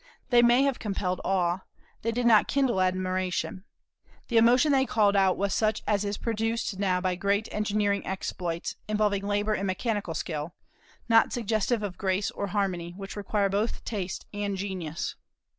They may have compelled awe; they did not kindle admiration. The emotion they called out was such as is produced now by great engineering exploits, involving labor and mechanical skill, not suggestive of grace or harmony, which require both taste and genius.